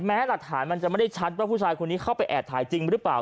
หลักฐานมันจะไม่ได้ชัดว่าผู้ชายคนนี้เข้าไปแอบถ่ายจริงหรือเปล่า